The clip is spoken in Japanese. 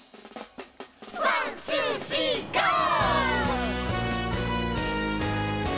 ワンツースリーゴー！